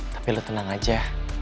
tapi lo tenang aja